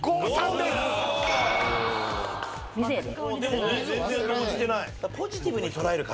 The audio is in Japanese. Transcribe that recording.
でも全然動じてない。